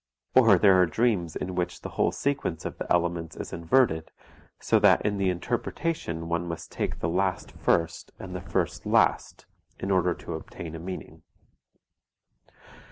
Or there are dreams in which the whole sequence of the elements is inverted, so that in the interpretation one must take the last first, and the first last, in order to obtain a meaning.